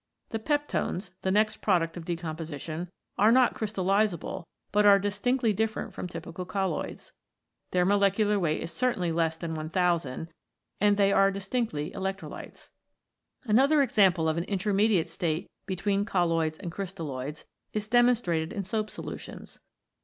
The peptones, the next product of decomposition, are not crystallisable, but are distinctly different from typical colloids. Their molecular weight is certainly less than 1000, and they are distinctly electrolytes. Another example of an intermediate state between colloids and crystalloids is demonstrated in soap solutions.